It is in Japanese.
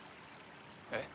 えっ？